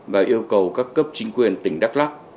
và yêu cầu các cấp chính quyền tỉnh đắk lắc